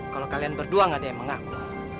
kalau kalian berdua gak ada yang mengaku